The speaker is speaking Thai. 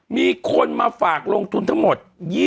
มีคนมาฝากลงทุนทั้งหมด